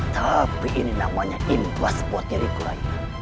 tapi ini namanya imbas buat diriku rai